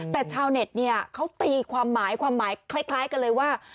แต่ชาวเน็ตเนี่ยเขาตีความหมายความหมายคล้ายกันเลยว่า